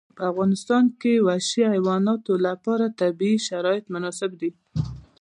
په افغانستان کې وحشي حیواناتو لپاره طبیعي شرایط مناسب دي.